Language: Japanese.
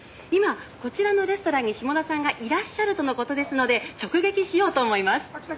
「今こちらのレストランに志茂田さんがいらっしゃるとの事ですので直撃しようと思います」